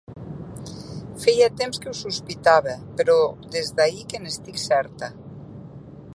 Feia temps que ho sospitava, però des d'ahir que n'estic certa.